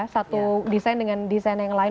satu desain dengan desain yang lain